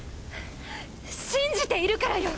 信じているからよ！